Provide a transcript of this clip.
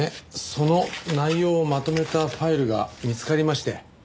その内容をまとめたファイルが見つかりまして。